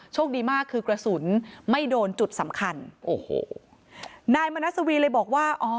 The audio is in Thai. โชคดีมากคือกระสุนไม่โดนจุดสำคัญโอ้โหนายมนัสวีเลยบอกว่าอ๋อ